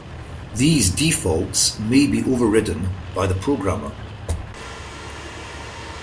These defaults may be overridden by the programmer.